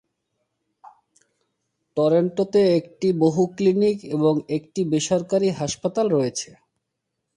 টরন্টোতে একটি বহু ক্লিনিক এবং একটি বেসরকারি হাসপাতাল রয়েছে।